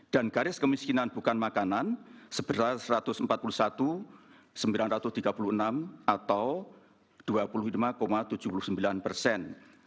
dan garis kemiskinan bukan makanan sebesar satu ratus empat puluh satu sembilan ratus tiga puluh enam atau dua puluh lima tujuh puluh sembilan persen